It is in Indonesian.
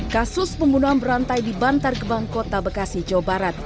kasus pembunuhan berantai di bantar gebang kota bekasi jawa barat